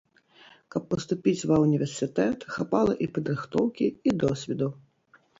Каб паступіць ва універсітэт, хапала і падрыхтоўкі, і досведу.